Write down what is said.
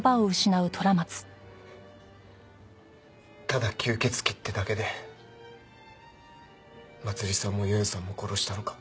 ただ吸血鬼ってだけでまつりさんもよよさんも殺したのか？